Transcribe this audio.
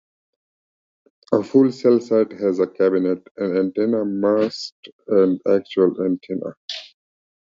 A full cell site has a cabinet, an antenna mast and actual antenna.